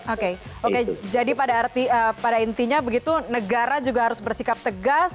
oke oke jadi pada intinya begitu negara juga harus bersikap tegas